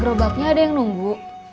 gerobaknya ada yang nunggu